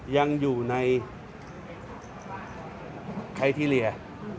ยังอยู่ในไคทีเรีย